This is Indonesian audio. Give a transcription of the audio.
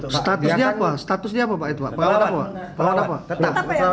statusnya apa pak